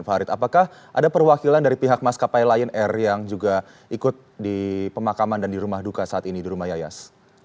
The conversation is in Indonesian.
farid apakah ada perwakilan dari pihak maskapai lion air yang juga ikut di pemakaman dan di rumah duka saat ini di rumah yayas